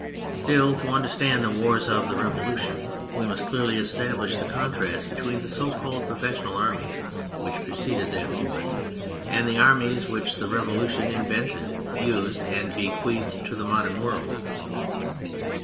Still, to understand the wars of the Revolu tion we must clearly establish the contrast between the so called professional armies which preceded that movement and the armies which the Revolution invented, used, and bequeathed to the modern world.